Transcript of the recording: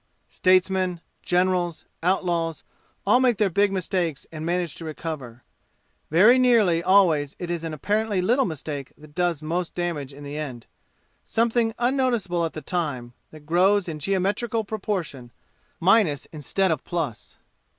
Statesmen, generals, outlaws, all make their big mistakes and manage to recover. Very nearly always it is an apparently little mistake that does most damage in the end, something unnoticeable at the time, that grows in geometrical proportion, minus instead of plus.